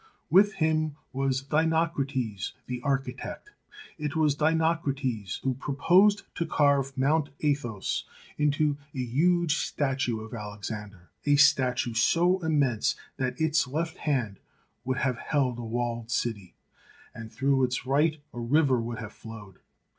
With him was Dinocrates, the architect. It was Dinocrates who proposed to carve Mt. Athos into a huge statue of Alexander, a statue so immense that its left hand would have held a walled city, and through its right a river would have flowed.